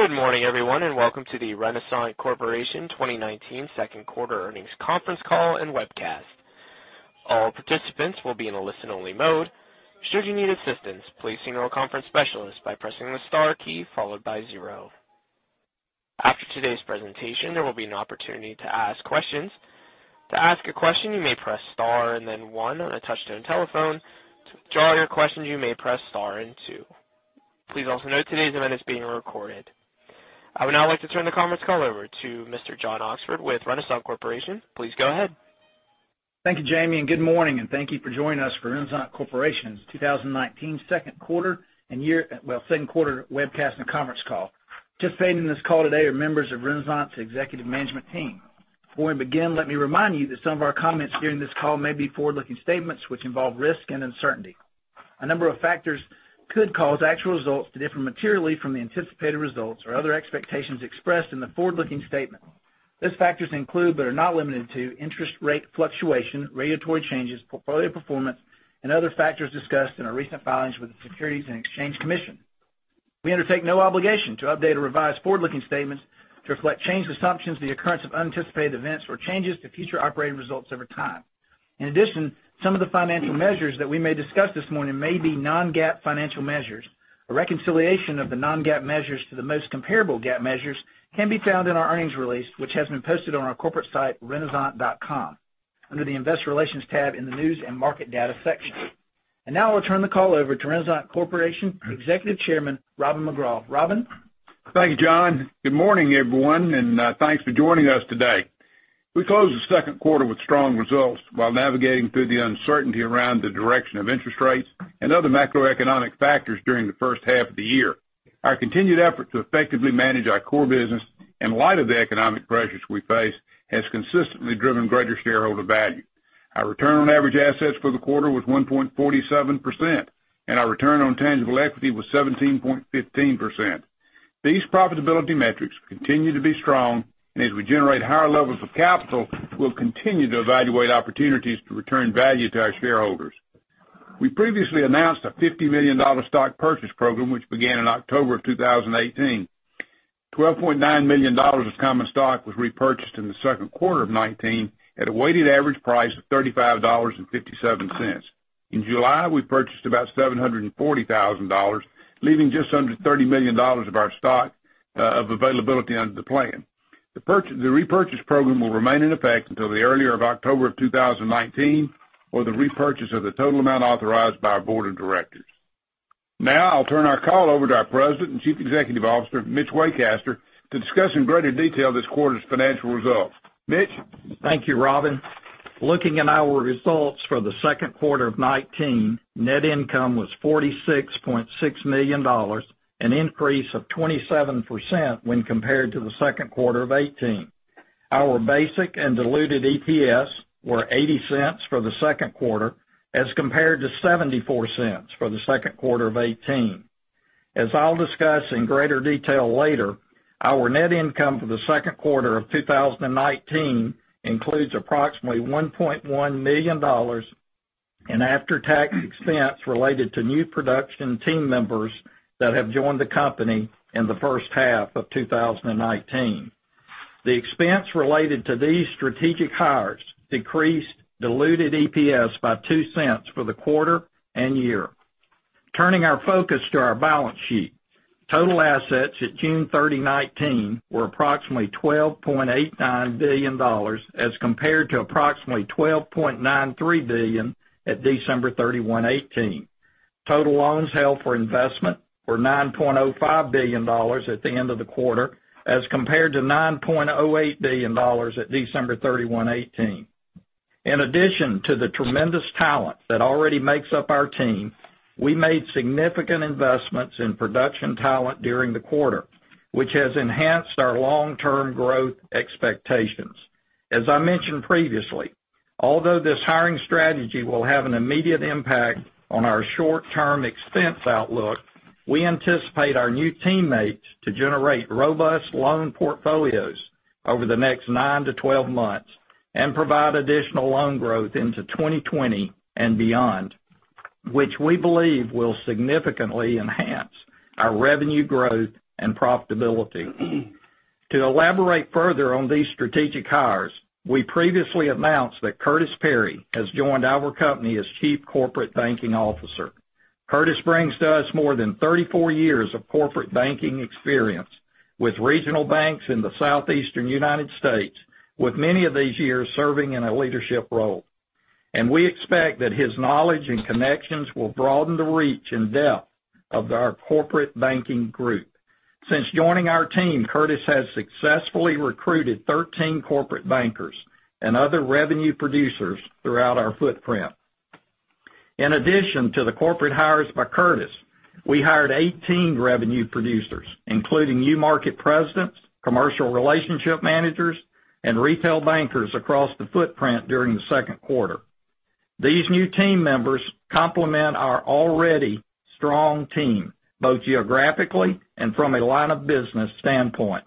Good morning, everyone, welcome to the Renasant Corporation 2019 second quarter earnings conference call and webcast. All participants will be in a listen-only mode. Should you need assistance, please signal a conference specialist by pressing the star key followed by zero. After today's presentation, there will be an opportunity to ask questions. To ask a question, you may press star and then one on a touch-tone telephone. To withdraw your question, you may press star and two. Please also note today's event is being recorded. I would now like to turn the conference call over to Mr. John Oxford with Renasant Corporation. Please go ahead. Thank you, Jamie, and good morning, and thank you for joining us for Renasant Corporation's 2019 second quarter webcast and conference call. Participating in this call today are members of Renasant's executive management team. Before we begin, let me remind you that some of our comments during this call may be forward-looking statements which involve risk and uncertainty. A number of factors could cause actual results to differ materially from the anticipated results or other expectations expressed in the forward-looking statement. These factors include, but are not limited to interest rate fluctuation, regulatory changes, portfolio performance, and other factors discussed in our recent filings with the Securities and Exchange Commission. We undertake no obligation to update or revise forward-looking statements to reflect changed assumptions, the occurrence of unanticipated events, or changes to future operating results over time. In addition, some of the financial measures that we may discuss this morning may be non-GAAP financial measures. A reconciliation of the non-GAAP measures to the most comparable GAAP measures can be found in our earnings release, which has been posted on our corporate site, renasant.com, under the Investor Relations tab in the News and Market Data section. Now I'll turn the call over to Renasant Corporation Executive Chairman, Robin McGraw. Robin? Thank you, John. Good morning, everyone, and thanks for joining us today. We closed the second quarter with strong results while navigating through the uncertainty around the direction of interest rates and other macroeconomic factors during the first half of the year. Our continued effort to effectively manage our core business in light of the economic pressures we face has consistently driven greater shareholder value. Our return on average assets for the quarter was 1.47%, and our return on tangible equity was 17.15%. These profitability metrics continue to be strong, and as we generate higher levels of capital, we'll continue to evaluate opportunities to return value to our shareholders. We previously announced a $50 million stock purchase program, which began in October of 2018. $12.9 million of common stock was repurchased in the second quarter of 2019 at a weighted average price of $35.57. In July, we purchased about $740,000, leaving just under $30 million of our stock of availability under the plan. The repurchase program will remain in effect until the earlier of October of 2019 or the repurchase of the total amount authorized by our Board of Directors. Now, I'll turn our call over to our President and Chief Executive Officer, Mitch Waycaster, to discuss in greater detail this quarter's financial results. Mitch? Thank you, Robin. Looking at our results for the second quarter of 2019, net income was $46.6 million, an increase of 27% when compared to the second quarter of 2018. Our basic and diluted EPS were $0.80 for the second quarter as compared to $0.74 for the second quarter of 2018. As I'll discuss in greater detail later, our net income for the second quarter of 2019 includes approximately $1.1 million in after-tax expense related to new production team members that have joined the company in the first half of 2019. The expense related to these strategic hires decreased diluted EPS by $0.02 for the quarter and year. Turning our focus to our balance sheet, total assets at June 30, 2019 were approximately $12.89 billion as compared to approximately $12.93 billion at December 31, 2018. Total loans held for investment were $9.05 billion at the end of the quarter as compared to $9.08 billion at December 31, 2018. In addition to the tremendous talent that already makes up our team, we made significant investments in production talent during the quarter, which has enhanced our long-term growth expectations. As I mentioned previously, although this hiring strategy will have an immediate impact on our short-term expense outlook, we anticipate our new teammates to generate robust loan portfolios over the next 9 to 12 months and provide additional loan growth into 2020 and beyond, which we believe will significantly enhance our revenue growth and profitability. To elaborate further on these strategic hires, we previously announced that Curtis Perry has joined our company as Chief Corporate Banking Officer. Curtis brings to us more than 34 years of corporate banking experience with regional banks in the southeastern U.S., with many of these years serving in a leadership role. We expect that his knowledge and connections will broaden the reach and depth of our corporate banking group. Since joining our team, Curtis has successfully recruited 13 corporate bankers and other revenue producers throughout our footprint. In addition to the corporate hires by Curtis, we hired 18 revenue producers, including new market presidents, commercial relationship managers, and retail bankers across the footprint during the second quarter. These new team members complement our already strong team, both geographically and from a line of business standpoint.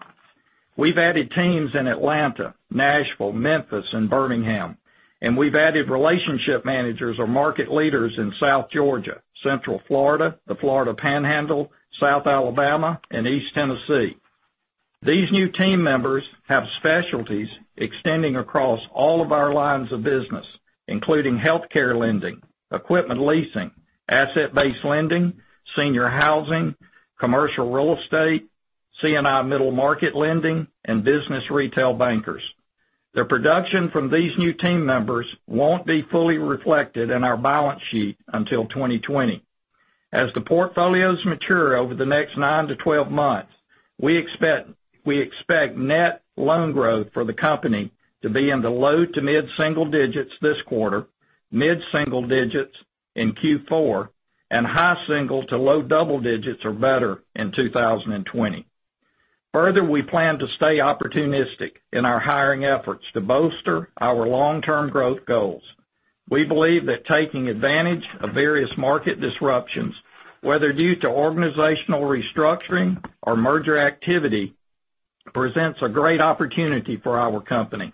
We've added teams in Atlanta, Nashville, Memphis, and Birmingham, and we've added relationship managers or market leaders in South Georgia, Central Florida, the Florida Panhandle, South Alabama, and East Tennessee. These new team members have specialties extending across all of our lines of business, including healthcare lending, equipment leasing, asset-based lending, senior housing, commercial real estate, C&I middle market lending, and business retail bankers. The production from these new team members won't be fully reflected in our balance sheet until 2020. As the portfolios mature over the next nine to 12 months, we expect net loan growth for the company to be in the low to mid-single digits this quarter, mid-single digits in Q4, and high single to low double digits or better in 2020. Further, we plan to stay opportunistic in our hiring efforts to bolster our long-term growth goals. We believe that taking advantage of various market disruptions, whether due to organizational restructuring or merger activity, presents a great opportunity for our company.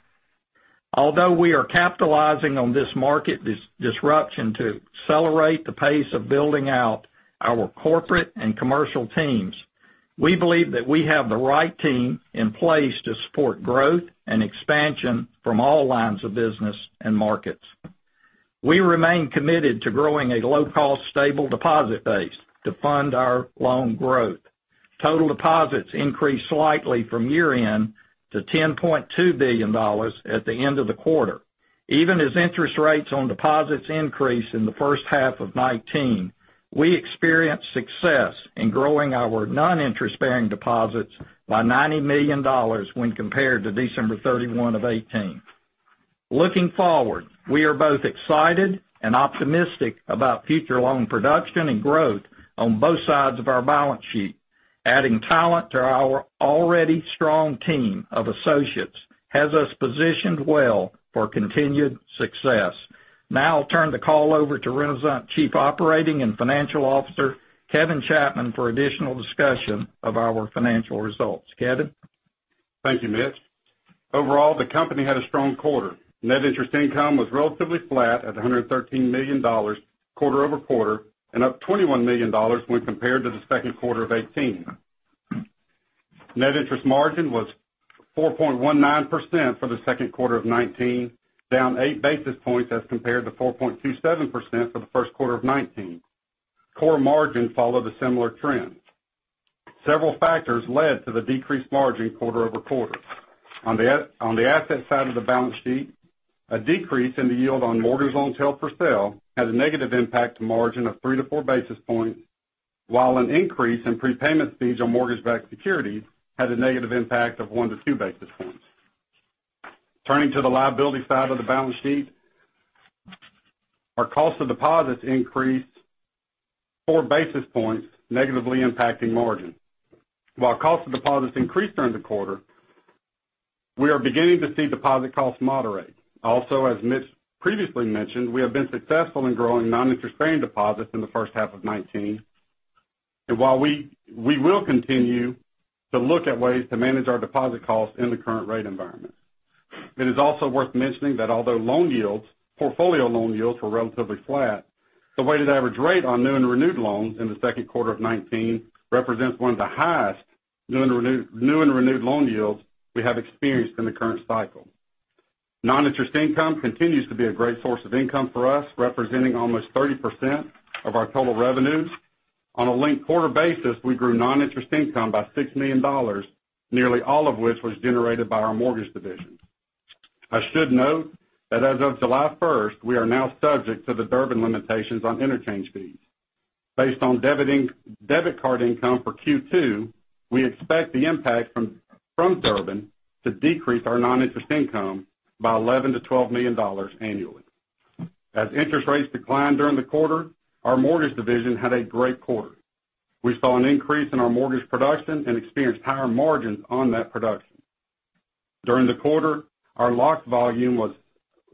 Although we are capitalizing on this market disruption to accelerate the pace of building out our corporate and commercial teams, we believe that we have the right team in place to support growth and expansion from all lines of business and markets. We remain committed to growing a low-cost, stable deposit base to fund our loan growth. Total deposits increased slightly from year-end to $10.2 billion at the end of the quarter. Even as interest rates on deposits increased in the first half of 2019, we experienced success in growing our non-interest-bearing deposits by $90 million when compared to December 31, 2018. Looking forward, we are both excited and optimistic about future loan production and growth on both sides of our balance sheet. Adding talent to our already strong team of associates has us positioned well for continued success. I'll turn the call over to Renasant Chief Operating and Financial Officer, Kevin Chapman, for additional discussion of our financial results. Kevin? Thank you, Mitch. Overall, the company had a strong quarter. Net interest income was relatively flat at $113 million quarter-over-quarter, and up $21 million when compared to the second quarter of 2018. Net interest margin was 4.19% for the second quarter of 2019, down eight basis points as compared to 4.27% for the first quarter of 2019. Core margin followed a similar trend. Several factors led to the decreased margin quarter-over-quarter. On the asset side of the balance sheet, a decrease in the yield on mortgage loans held for sale had a negative impact to margin of three to four basis points, while an increase in prepayment fees on mortgage-backed securities had a negative impact of one to two basis points. Turning to the liability side of the balance sheet, our cost of deposits increased four basis points, negatively impacting margin. While cost of deposits increased during the quarter, we are beginning to see deposit costs moderate. As Mitch previously mentioned, we have been successful in growing non-interest-bearing deposits in the first half of 2019. While we will continue to look at ways to manage our deposit costs in the current rate environment, it is also worth mentioning that although loan yields, portfolio loan yields, were relatively flat, the weighted average rate on new and renewed loans in the second quarter of 2019 represents one of the highest new and renewed loan yields we have experienced in the current cycle. Non-interest income continues to be a great source of income for us, representing almost 30% of our total revenues. On a linked quarter basis, we grew non-interest income by $6 million, nearly all of which was generated by our mortgage division. I should note that as of July 1st, we are now subject to the Durbin limitations on interchange fees. Based on debit card income for Q2, we expect the impact from Durbin to decrease our non-interest income by $11 million-$12 million annually. As interest rates declined during the quarter, our mortgage division had a great quarter. We saw an increase in our mortgage production and experienced higher margins on that production. During the quarter, our locked volume was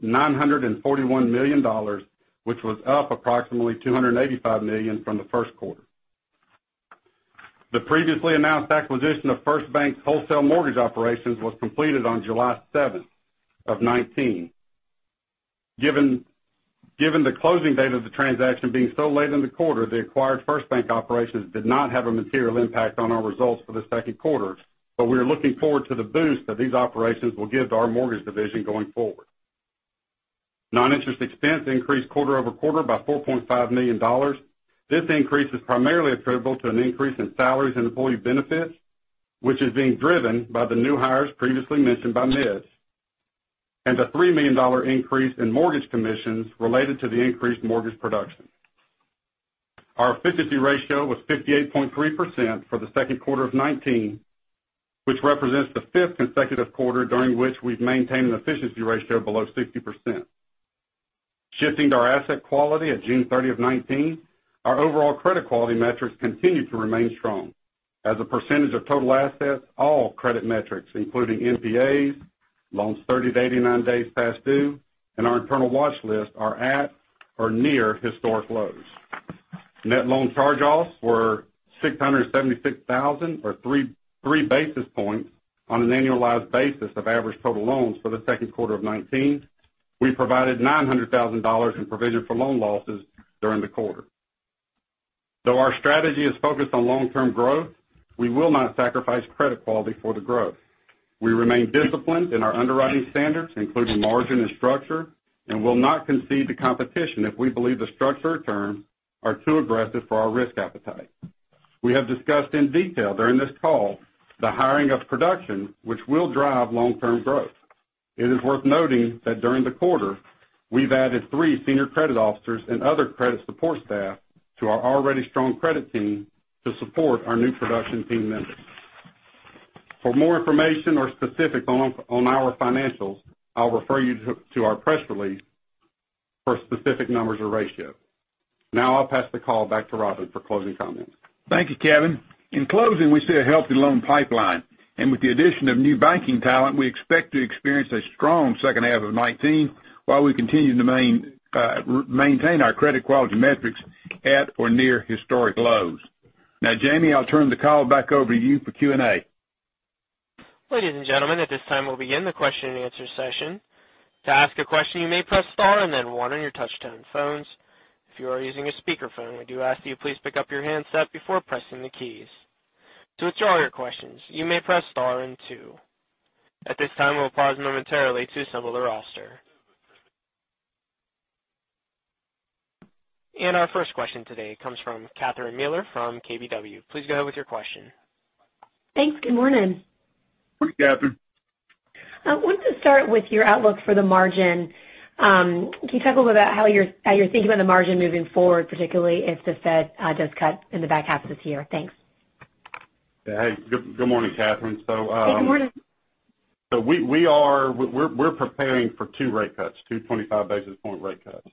$941 million, which was up approximately $285 million from the first quarter. The previously announced acquisition of First Bank's wholesale mortgage operations was completed on July 7th of 2019. Given the closing date of the transaction being so late in the quarter, the acquired First Bank operations did not have a material impact on our results for the second quarter, but we are looking forward to the boost that these operations will give to our mortgage division going forward. Non-interest expense increased quarter-over-quarter by $4.5 million. This increase is primarily attributable to an increase in salaries and employee benefits, which is being driven by the new hires previously mentioned by Mitch, and a $3 million increase in mortgage commissions related to the increased mortgage production. Our efficiency ratio was 58.3% for the second quarter of 2019, which represents the fifth consecutive quarter during which we've maintained an efficiency ratio below 60%. Shifting to our asset quality at June 30th of 2019, our overall credit quality metrics continued to remain strong. As a percentage of total assets, all credit metrics, including NPAs, loans 30-89 days past due, and our internal watch list are at or near historic lows. Net loan charge-offs were $676,000, or three basis points on an annualized basis of average total loans for the second quarter of 2019. We provided $900,000 in provision for loan losses during the quarter. Though our strategy is focused on long-term growth, we will not sacrifice credit quality for the growth. We remain disciplined in our underwriting standards, including margin and structure, and will not concede to competition if we believe the structure or terms are too aggressive for our risk appetite. We have discussed in detail during this call the hiring of production, which will drive long-term growth. It is worth noting that during the quarter, we've added three senior credit officers and other credit support staff to our already strong credit team to support our new production team members. For more information or specifics on our financials, I'll refer you to our press release for specific numbers or ratios. Now, I'll pass the call back to Robin for closing comments. Thank you, Kevin. In closing, we see a healthy loan pipeline. With the addition of new banking talent, we expect to experience a strong second half of 2019 while we continue to maintain our credit quality metrics at or near historic lows. Now, Jamie, I'll turn the call back over to you for Q&A. Ladies and gentlemen, at this time, we'll begin the question and answer session. To ask a question, you may press star and then one on your touch-tone phones. If you are using a speakerphone, we do ask that you please pick up your handset before pressing the keys. To withdraw your questions, you may press star and two. At this time, we'll pause momentarily to assemble the roster. Our first question today comes from Catherine Mealor from KBW. Please go ahead with your question. Thanks. Good morning. Morning, Catherine. I want to start with your outlook for the margin. Can you talk a little about how you're thinking about the margin moving forward, particularly if the Fed does cut in the back half of this year? Thanks. Hey, good morning, Catherine. Good morning. We're preparing for two rate cuts, two 25 basis point rate cuts.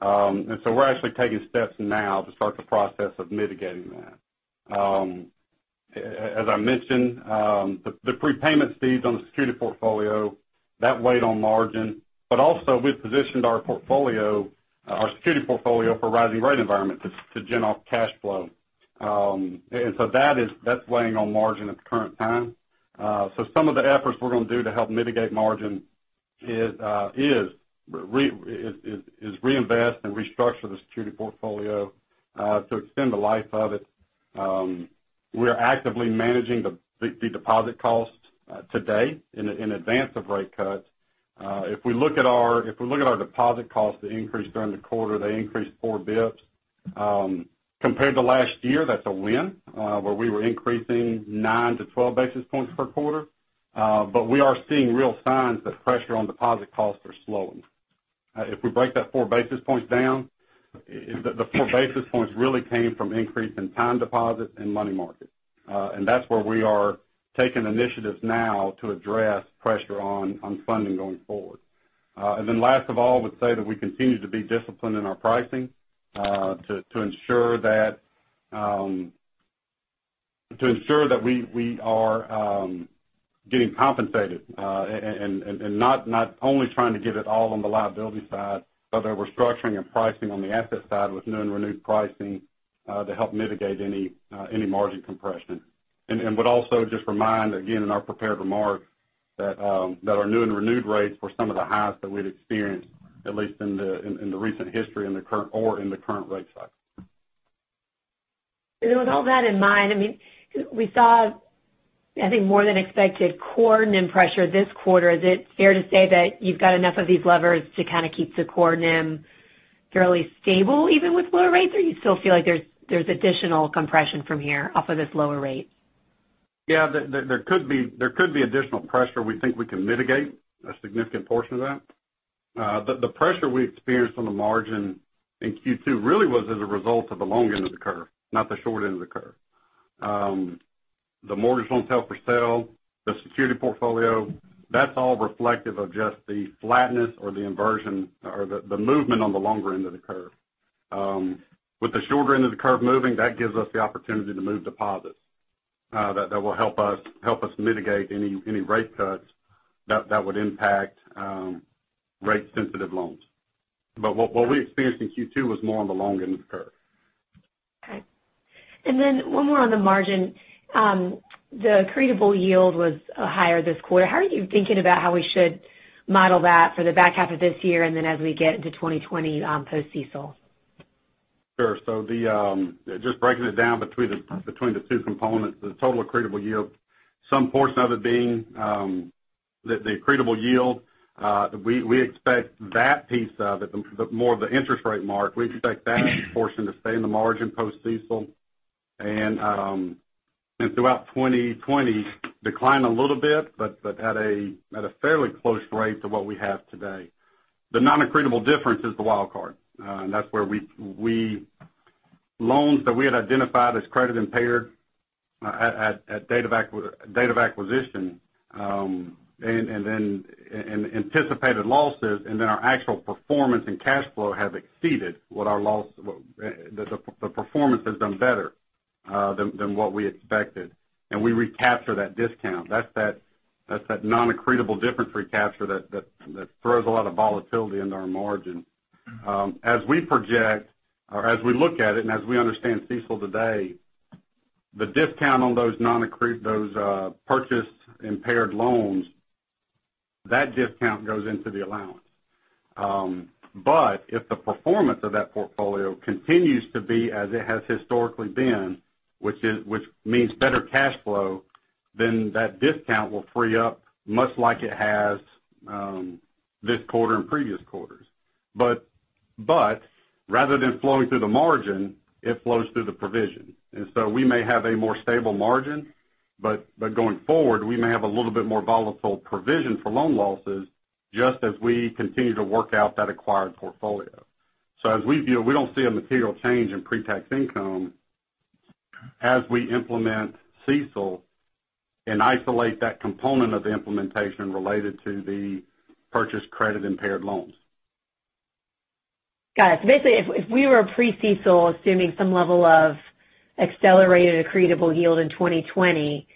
We're actually taking steps now to start the process of mitigating that. As I mentioned, the prepayment speeds on the security portfolio, that weighed on margin, but also we've positioned our security portfolio for rising rate environment to gen off cash flow. That's weighing on margin at the current time. Some of the efforts we're going to do to help mitigate margin is reinvest and restructure the security portfolio to extend the life of it. We're actively managing the deposit costs today in advance of rate cuts. If we look at our deposit costs, they increased during the quarter. They increased four basis points. Compared to last year, that's a win, where we were increasing nine to 12 basis points per quarter. We are seeing real signs that pressure on deposit costs are slowing. If we break that four basis points down, the four basis points really came from increase in time deposits and money markets. That's where we are taking initiatives now to address pressure on funding going forward. Then last of all, would say that we continue to be disciplined in our pricing, to ensure that we are getting compensated, and not only trying to give it all on the liability side, but that we're structuring and pricing on the asset side with new and renewed pricing to help mitigate any margin compression. Would also just remind, again, in our prepared remarks, that our new and renewed rates were some of the highest that we'd experienced, at least in the recent history or in the current rate cycle. With all that in mind, we saw, I think, more than expected core NIM pressure this quarter. Is it fair to say that you've got enough of these levers to kind of keep the core NIM fairly stable, even with lower rates? Or you still feel like there's additional compression from here off of this lower rate? Yeah, there could be additional pressure. We think we can mitigate a significant portion of that. The pressure we experienced on the margin in Q2 really was as a result of the long end of the curve, not the short end of the curve. The mortgage loan sale, the security portfolio, that's all reflective of just the flatness or the inversion or the movement on the longer end of the curve. With the shorter end of the curve moving, that gives us the opportunity to move deposits. That will help us mitigate any rate cuts that would impact rate-sensitive loans. What we experienced in Q2 was more on the long end of the curve. Okay. One more on the margin. The accretable yield was higher this quarter. How are you thinking about how we should model that for the back half of this year and then as we get into 2020 post CECL? Sure. Just breaking it down between the two components, the total accretable yield, some portion of it being the accretable yield, we expect that piece of it, more of the interest rate mark, we expect that portion to stay in the margin post CECL. Throughout 2020, decline a little bit, but at a fairly close rate to what we have today. The non-accretable difference is the wild card. That's where loans that we had identified as credit impaired at date of acquisition, and anticipated losses, and then our actual performance and cash flow have exceeded what the performance has done better than what we expected, and we recapture that discount. That's that non-accretable difference recapture that throws a lot of volatility into our margin. As we project, or as we look at it, and as we understand CECL today, the discount on those purchased impaired loans, that discount goes into the allowance. If the performance of that portfolio continues to be as it has historically been, which means better cash flow, then that discount will free up, much like it has this quarter and previous quarters. Rather than flowing through the margin, it flows through the provision. We may have a more stable margin, but going forward, we may have a little bit more volatile provision for loan losses just as we continue to work out that acquired portfolio. As we view, we don't see a material change in pre-tax income as we implement CECL and isolate that component of the implementation related to the purchase credit-impaired loans. Got it. Basically, if we were pre-CECL, assuming some level of accelerated accretable yield in 2020,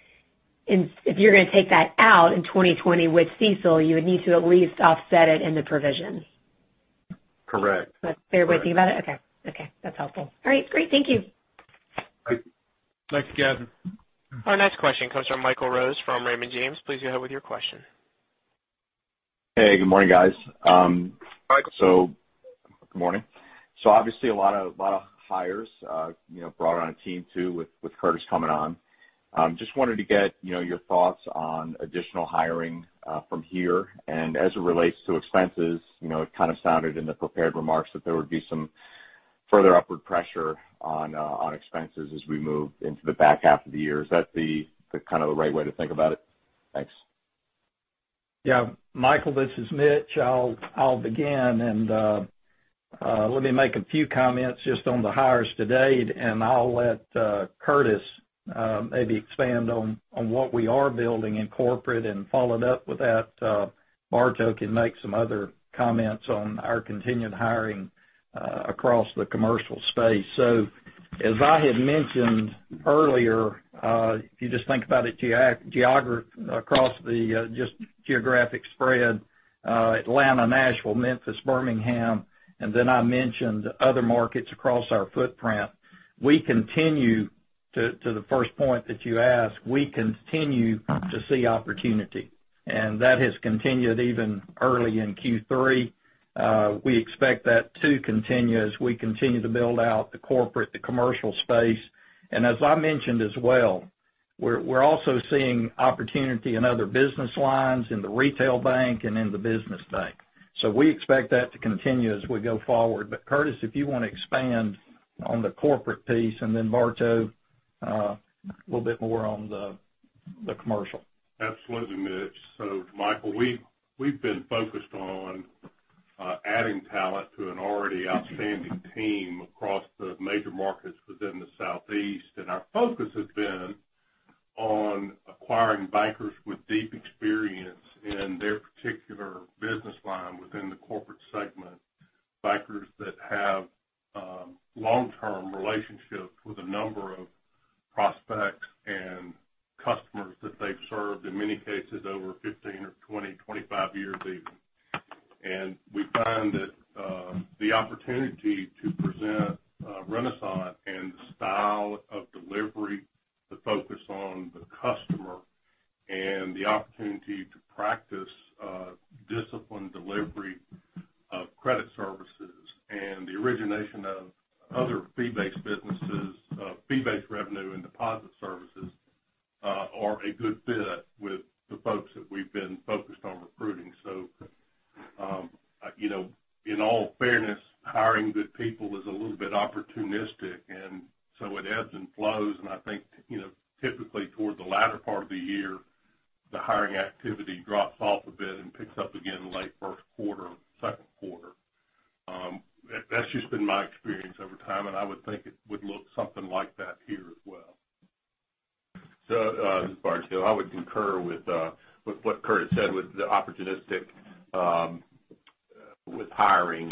if you're going to take that out in 2020 with CECL, you would need to at least offset it in the provision. Correct. That's fair way of thinking about it? Okay. That's helpful. All right, great. Thank you. Thank you. Thanks, Catherine. Our next question comes from Michael Rose from Raymond James. Please go ahead with your question. Hey, good morning, guys. Michael. Good morning. Obviously a lot of hires, brought on a team too with Curtis coming on. Just wanted to get your thoughts on additional hiring from here. As it relates to expenses, it kind of sounded in the prepared remarks that there would be some further upward pressure on expenses as we move into the back half of the year. Is that the kind of the right way to think about it? Thanks. Yeah. Michael, this is Mitch. I'll begin. Let me make a few comments just on the hires to date, and I'll let Curtis maybe expand on what we are building in Corporate, and followed up with that, Bartow can make some other comments on our continued hiring across the Commercial space. As I had mentioned earlier, if you just think about it across the just geographic spread, Atlanta, Nashville, Memphis, Birmingham, then I mentioned other markets across our footprint. To the first point that you asked, we continue to see opportunity. That has continued even early in Q3. We expect that to continue as we continue to build out the Corporate, the Commercial space. As I mentioned as well, we're also seeing opportunity in other business lines in the Retail Bank and in the Business Bank. We expect that to continue as we go forward. Curtis, if you want to expand on the corporate piece, then Bartow, a little bit more on the commercial. Absolutely, Mitch. Michael, we've been focused on adding talent to an already outstanding team across the major markets within the Southeast. Our focus has been on acquiring bankers with deep experience in their particular business line within the corporate segment, bankers that have long-term relationships with a number of prospects and customers that they've served, in many cases over 15 or 20, 25 years even. We find that the opportunity to present Renasant and the style of delivery, the focus on the customer, and the opportunity to practice disciplined delivery of credit services and the origination of other fee-based businesses, fee-based revenue, and deposit services are a good fit with the folks that we've been focused on recruiting. In all fairness, hiring good people is a little bit opportunistic, it ebbs and flows. I think, typically toward the latter part of the year, the hiring activity drops off a bit and picks up again, late first quarter or second quarter. That's just been my experience over time, and I would think it would look something like that here as well. This is Bartow. I would concur with what Curtis said with the opportunistic with hiring.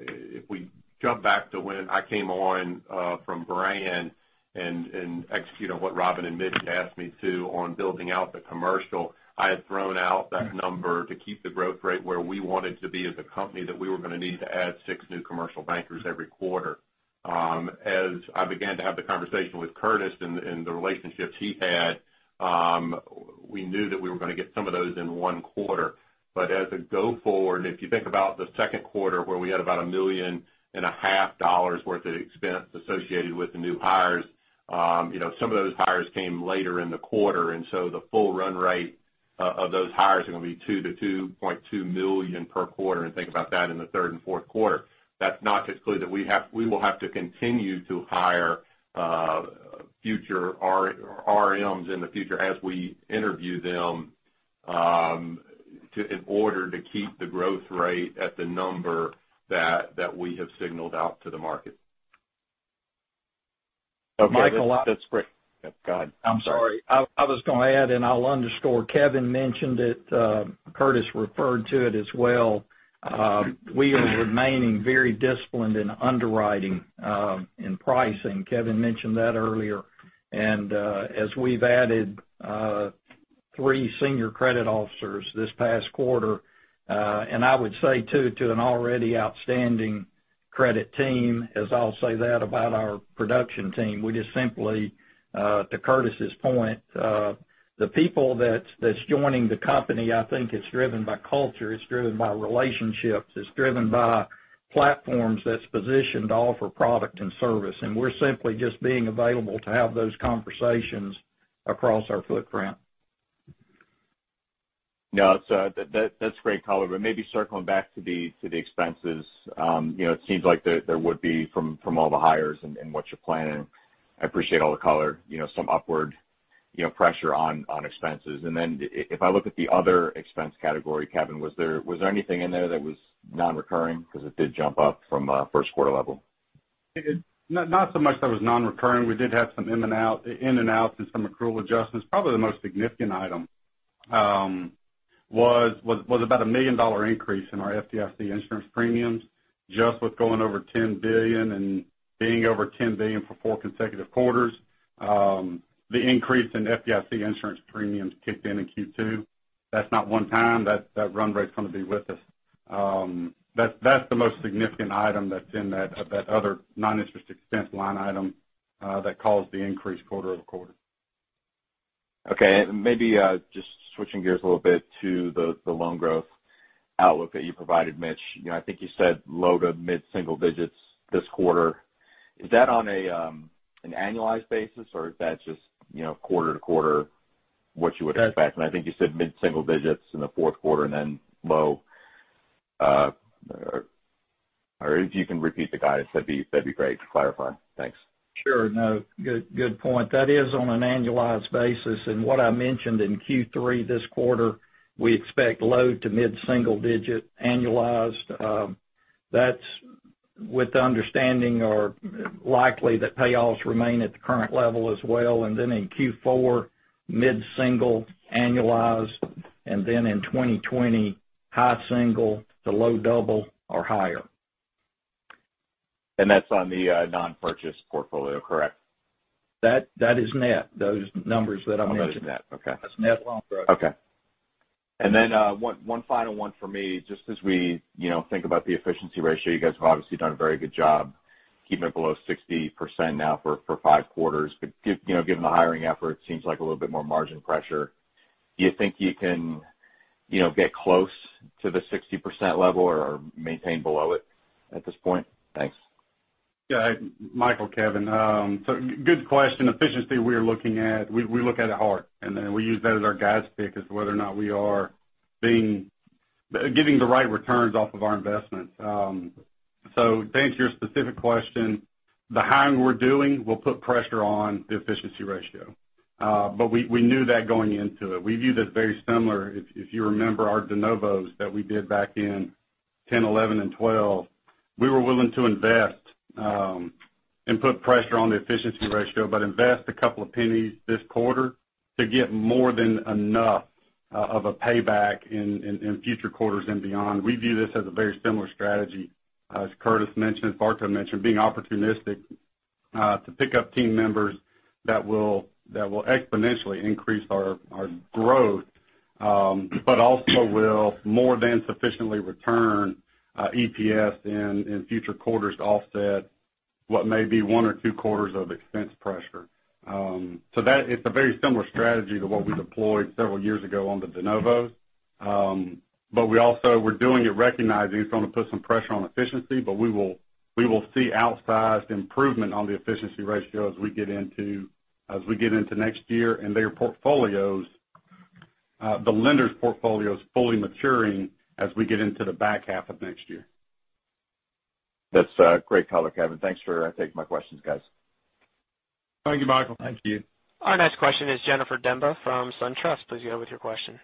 If we jump back to when I came on from Brand and execute on what Robin and Mitch asked me to on building out the commercial, I had thrown out that number to keep the growth rate where we wanted to be as a company that we were going to need to add six new commercial bankers every quarter. As I began to have the conversation with Curtis and the relationships he had, we knew that we were going to get some of those in one quarter. As a go forward, if you think about the second quarter, where we had about a million and a half dollars worth of expense associated with the new hires, some of those hires came later in the quarter, the full run rate of those hires are going to be $2 million-$2.2 million per quarter. Think about that in the third and fourth quarter. That's not to clue that we will have to continue to hire RMs in the future as we interview them in order to keep the growth rate at the number that we have signaled out to the market. Michael, that's great. Go ahead. I'm sorry. I was going to add, I'll underscore, Kevin mentioned it, Curtis referred to it as well. We are remaining very disciplined in underwriting and pricing. Kevin mentioned that earlier. As we've added three senior credit officers this past quarter, and I would say too, to an already outstanding credit team, as I'll say that about our production team, we just simply, to Curtis's point, the people that's joining the company, I think it's driven by culture, it's driven by relationships, it's driven by platforms that's positioned to offer product and service. We're simply just being available to have those conversations across our footprint. No, that's great color. Maybe circling back to the expenses. It seems like there would be, from all the hires and what you're planning, I appreciate all the color, some upward pressure on expenses. If I look at the other expense category, Kevin, was there anything in there that was non-recurring? Because it did jump up from a first quarter level. Not so much that was non-recurring. We did have some in and outs and some accrual adjustments. Probably the most significant item was about a $1 million increase in our FDIC insurance premiums, just with going over $10 billion and being over $10 billion for four consecutive quarters. The increase in FDIC insurance premiums kicked in in Q2. That's not one time. That run rate's going to be with us. That's the most significant item that's in that other non-interest expense line item that caused the increase quarter-over-quarter. Okay. Maybe just switching gears a little bit to the loan growth outlook that you provided, Mitch. I think you said low to mid-single digits this quarter. Is that on an annualized basis, or is that just quarter to quarter what you would expect? I think you said mid-single digits in the fourth quarter or if you can repeat the guidance, that'd be great to clarify. Thanks. Sure. No, good point. That is on an annualized basis. What I mentioned in Q3 this quarter, we expect low to mid-single digit annualized. That's with the understanding, or likely, that payoffs remain at the current level as well. In Q4, mid-single annualized. In 2020, high single to low double or higher. That's on the non-purchase portfolio, correct? That is net. Those numbers that I mentioned. Oh, Okay. That's net loan growth. Okay. One final one for me, just as we think about the efficiency ratio, you guys have obviously done a very good job keeping it below 60% now for five quarters. Given the hiring effort, seems like a little bit more margin pressure. Do you think you can get close to the 60% level or maintain below it at this point? Thanks. Yeah. Michael, Kevin. Good question. Efficiency, we look at it hard, and then we use that as our guide stick as to whether or not we are giving the right returns off of our investments. To answer your specific question, the hiring we're doing will put pressure on the efficiency ratio. We knew that going into it. We view this very similar, if you remember our de novos that we did back in 2010, 2011, and 2012. We were willing to invest and put pressure on the efficiency ratio, but invest a couple of pennies this quarter to get more than enough of a payback in future quarters and beyond. We view this as a very similar strategy. As Curtis mentioned, as Bartow mentioned, being opportunistic to pick up team members that will exponentially increase our growth, but also will more than sufficiently return EPS in future quarters to offset what may be one or two quarters of expense pressure. It's a very similar strategy to what we deployed several years ago on the de novos. We also were doing it recognizing it's going to put some pressure on efficiency, but we will see outsized improvement on the efficiency ratio as we get into next year and their portfolios, the lenders' portfolios, fully maturing as we get into the back half of next year. That's great color, Kevin. Thanks for taking my questions, guys. Thank you, Michael. Thank you. Our next question is Jennifer Demba from SunTrust. Please go ahead with your question.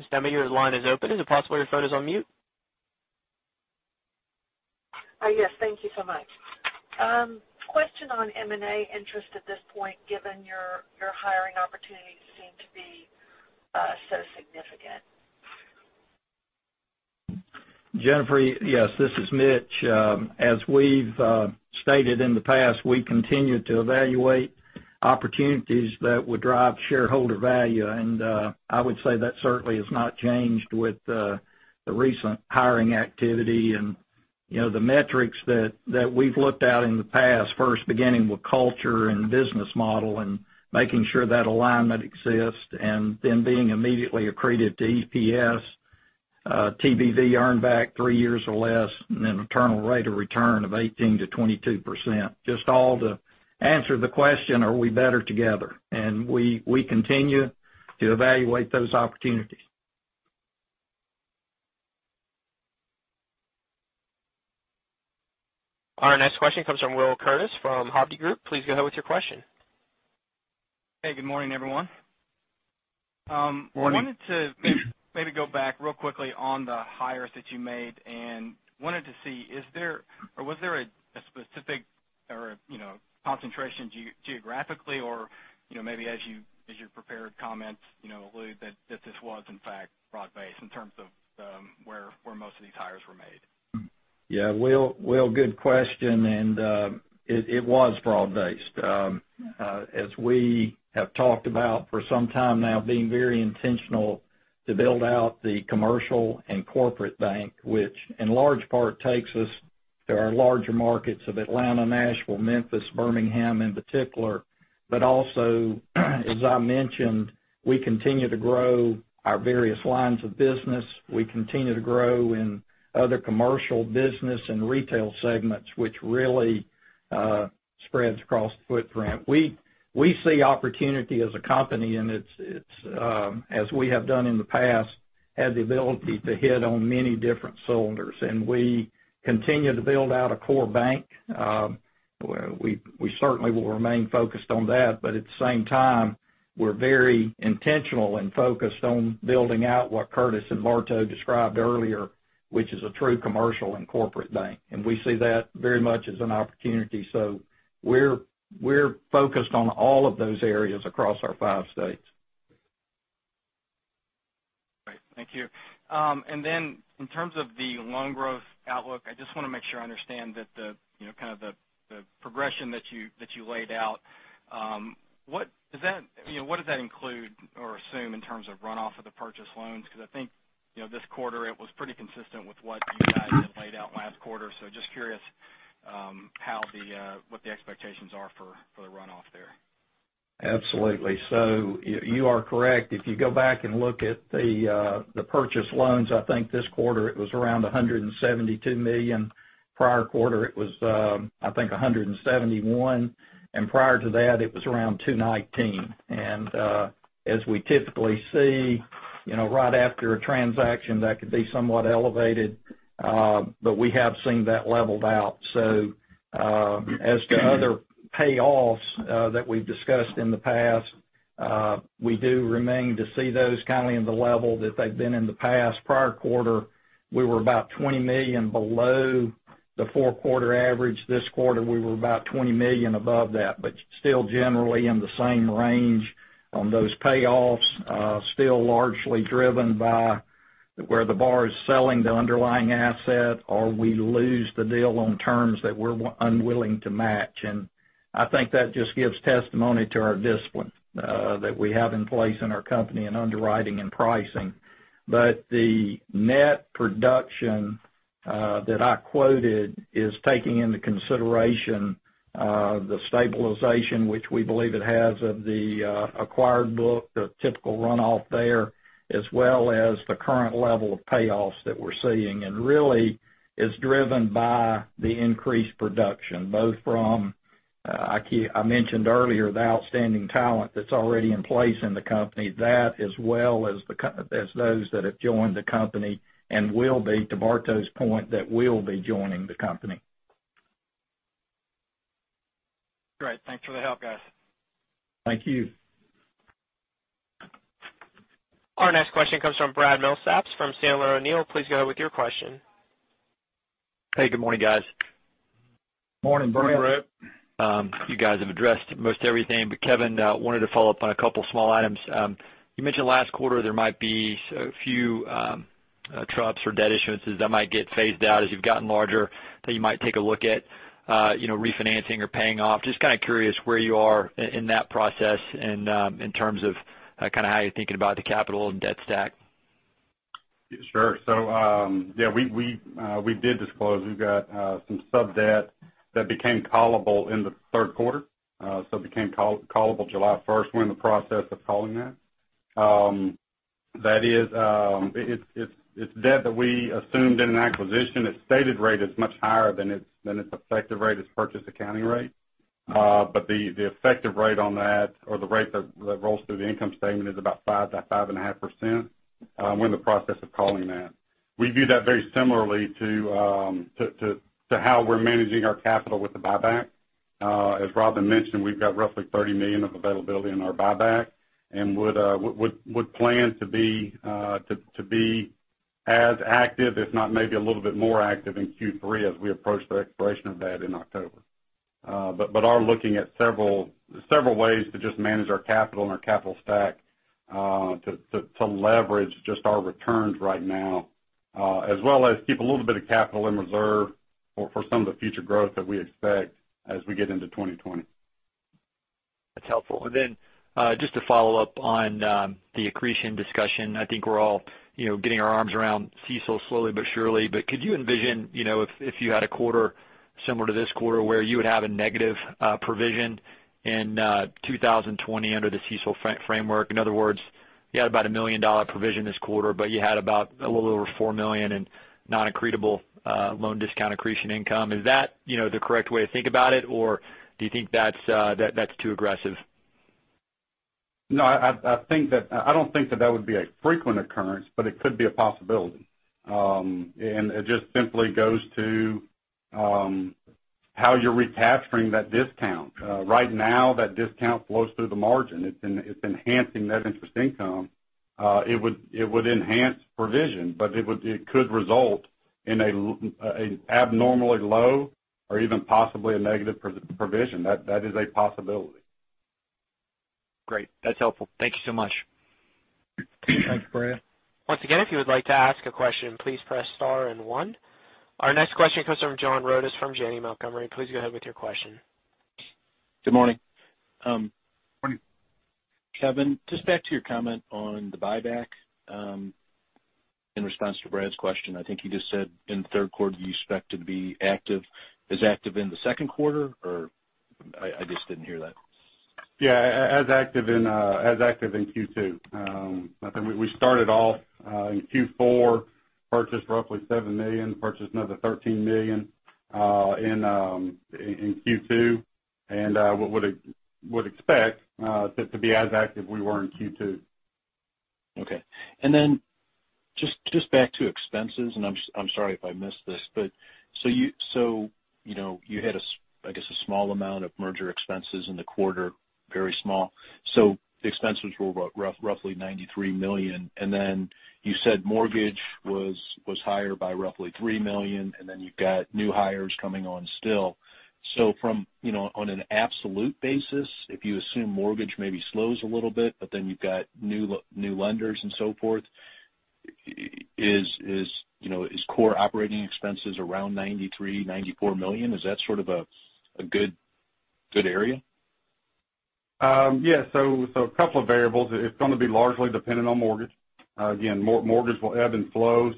Ms. Demba, your line is open. Is it possible your phone is on mute? Yes. Thank you so much. Question on M&A interest at this point, given your hiring opportunities seem to be so significant. Jennifer, yes, this is Mitch. As we've stated in the past, we continue to evaluate opportunities that would drive shareholder value, and I would say that certainly has not changed with the recent hiring activity. The metrics that we've looked at in the past, first beginning with culture and business model and making sure that alignment exists, and then being immediately accretive to EPS, TBV earn back three years or less, and then internal rate of return of 18%-22%. Just all to answer the question, are we better together? We continue to evaluate those opportunities. Our next question comes from Will Curtis from Hovde Group. Please go ahead with your question. Hey, good morning, everyone. Morning. I wanted to maybe go back real quickly on the hires that you made, and wanted to see, was there a specific or concentration geographically, or maybe as you prepared comments, allude that this was in fact broad-based in terms of where most of these hires were made? Yeah. Will, good question. It was broad-based. As we have talked about for some time now, being very intentional to build out the commercial and corporate bank, which in large part takes us to our larger markets of Atlanta, Nashville, Memphis, Birmingham, in particular. Also, as I mentioned, we continue to grow our various lines of business. We continue to grow in other commercial business and retail segments, which really spreads across the footprint. We see opportunity as a company, and as we have done in the past, had the ability to hit on many different cylinders. We continue to build out a core bank. We certainly will remain focused on that. At the same time, we're very intentional and focused on building out what Curtis and Bartow described earlier, which is a true commercial and corporate bank. We see that very much as an opportunity. We're focused on all of those areas across our five states. Great, thank you. In terms of the loan growth outlook, I just want to make sure I understand that the kind of the progression that you laid out. What does that include or assume in terms of runoff of the purchase loans? I think, this quarter it was pretty consistent with what you guys had laid out last quarter. Just curious what the expectations are for the runoff there. Absolutely. You are correct. If you go back and look at the purchase loans, I think this quarter it was around $172 million. Prior quarter it was, I think, $171. Prior to that it was around $219. As we typically see, right after a transaction, that could be somewhat elevated, but we have seen that leveled out. As to other payoffs that we've discussed in the past, we do remain to see those kind of in the level that they've been in the past. Prior quarter, we were about $20 million below the four-quarter average. This quarter, we were about $20 million above that, but still generally in the same range on those payoffs. Still largely driven by where the borrower is selling the underlying asset, or we lose the deal on terms that we're unwilling to match. I think that just gives testimony to our discipline that we have in place in our company in underwriting and pricing. The net production that I quoted is taking into consideration the stabilization which we believe it has of the acquired book, the typical runoff there, as well as the current level of payoffs that we're seeing. Really is driven by the increased production, both from, I mentioned earlier, the outstanding talent that's already in place in the company, that as well as those that have joined the company and will be, to Bartow's point, that will be joining the company. Great. Thanks for the help, guys. Thank you. Our next question comes from Brad Milsaps from Sandler O'Neill. Please go ahead with your question. Hey, good morning, guys. Morning, Brad. You guys have addressed most everything. Kevin, wanted to follow up on a couple small items. You mentioned last quarter there might be a few trusts or debt issuances that might get phased out as you've gotten larger that you might take a look at refinancing or paying off. Just kind of curious where you are in that process and in terms of kind of how you're thinking about the capital and debt stack. Sure. We did disclose, we've got some sub-debt that became callable in the third quarter. It became callable July 1st. We're in the process of calling that. It's debt that we assumed in an acquisition. Its stated rate is much higher than its effective rate, its purchase accounting rate. The effective rate on that, or the rate that rolls through the income statement, is about 5%-5.5%. We're in the process of calling that. We view that very similarly to how we're managing our capital with the buyback. As Robin mentioned, we've got roughly $30 million of availability in our buyback and would plan to be as active, if not maybe a little bit more active, in Q3 as we approach the expiration of that in October. Are looking at several ways to just manage our capital and our capital stack, to leverage just our returns right now. As well as keep a little bit of capital in reserve for some of the future growth that we expect as we get into 2020. That's helpful. Then, just to follow up on the accretion discussion. I think we're all getting our arms around CECL slowly but surely. Could you envision, if you had a quarter similar to this quarter where you would have a negative provision in 2020 under the CECL framework? In other words, you had about a million-dollar provision this quarter, but you had about a little over $4 million in non-accretable loan discount accretion income. Is that the correct way to think about it, or do you think that's too aggressive? No, I don't think that that would be a frequent occurrence, but it could be a possibility. It just simply goes to how you're recapturing that discount. Right now, that discount flows through the margin. It's enhancing net interest income. It would enhance provision, but it could result in an abnormally low or even possibly a negative provision. That is a possibility. Great. That's helpful. Thank you so much. Thanks, Brad. Once again, if you would like to ask a question, please press star and one. Our next question comes from John Rodis from Janney Montgomery. Please go ahead with your question. Good morning. Morning. Kevin, just back to your comment on the buyback, in response to Brad's question. I think you just said in the third quarter, you expect to be as active in the second quarter, or I just didn't hear that? Yeah. We were as active in Q2. We started off in Q4, purchased roughly $7 million, purchased another $13 million in Q2, and would expect to be as active we were in Q2. Okay. Just back to expenses, and I'm sorry if I missed this, you had, I guess, a small amount of merger expenses in the quarter, very small. The expenses were roughly $93 million. You said mortgage was higher by roughly $3 million, you've got new hires coming on still. From an absolute basis, if you assume mortgage maybe slows a little bit, you've got new lenders and so forth, is core operating expenses around $93, $94 million? Is that sort of a good area? Yeah. A couple of variables. It's going to be largely dependent on mortgage. Again, mortgage will ebb and flow.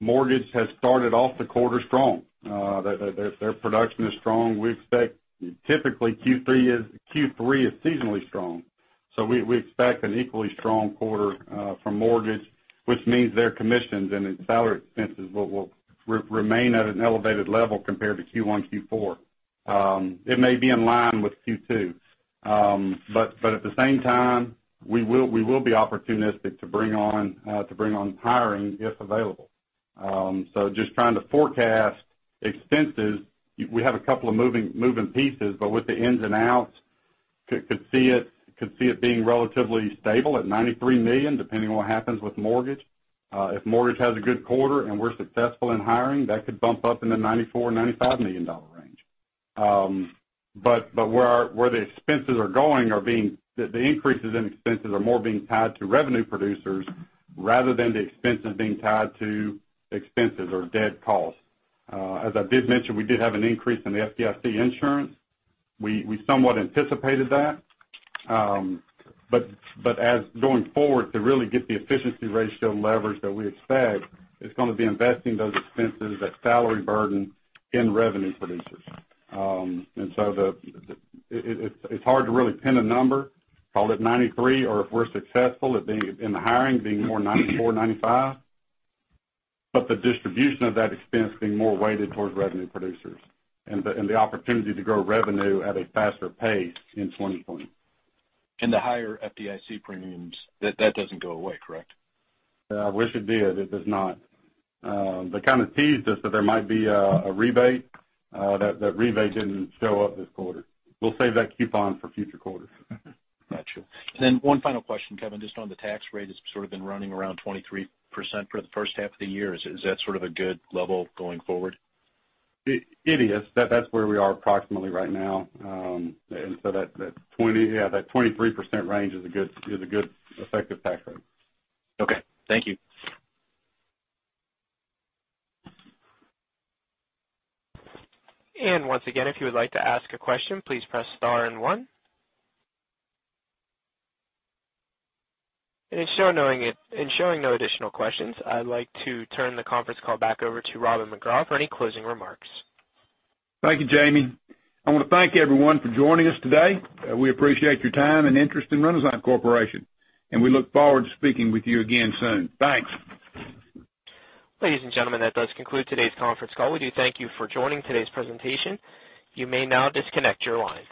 Mortgage has started off the quarter strong. Their production is strong. We expect typically Q3 is seasonally strong. We expect an equally strong quarter from mortgage, which means their commissions and its salary expenses will remain at an elevated level compared to Q1, Q4. It may be in line with Q2. At the same time, we will be opportunistic to bring on hiring if available. Just trying to forecast expenses, we have a couple of moving pieces, but with the ins and outs, could see it being relatively stable at $93 million, depending on what happens with mortgage. If mortgage has a good quarter and we're successful in hiring, that could bump up in the $94 million-$95 million range. Where the expenses are going, the increases in expenses are more being tied to revenue producers rather than the expenses being tied to expenses or dead costs. As I did mention, we did have an increase in the FDIC insurance. We somewhat anticipated that. As going forward, to really get the efficiency ratio leverage that we expect, it's going to be investing those expenses, that salary burden in revenue producers. It's hard to really pin a number. Call it $93, or if we're successful in the hiring, being more $94, $95. The distribution of that expense being more weighted towards revenue producers and the opportunity to grow revenue at a faster pace in 2020. The higher FDIC premiums, that doesn't go away, correct? I wish it did. It does not. They kind of teased us that there might be a rebate. That rebate didn't show up this quarter. We'll save that coupon for future quarters. Got you. One final question, Kevin, just on the tax rate. It's sort of been running around 23% for the first half of the year. Is that sort of a good level going forward? It is. That's where we are approximately right now. That 20, yeah, that 23% range is a good effective tax rate. Okay. Thank you. Once again, if you would like to ask a question, please press star and one. Showing no additional questions, I'd like to turn the conference call back over to Robin McGraw for any closing remarks. Thank you, Jamie. I want to thank everyone for joining us today. We appreciate your time and interest in Renasant Corporation, and we look forward to speaking with you again soon. Thanks. Ladies and gentlemen, that does conclude today's conference call. We do thank you for joining today's presentation. You may now disconnect your lines.